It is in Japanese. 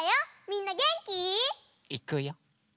みんなげんき？いくよ。